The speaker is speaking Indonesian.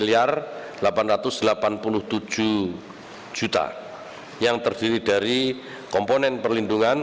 yang terdiri dari komponen perlindungan